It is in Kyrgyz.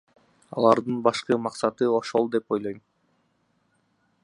Алардын башкы максаты ошол деп ойлойм.